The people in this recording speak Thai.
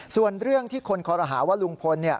ส่วนเรื่องที่คนคอรหาว่าลุงพล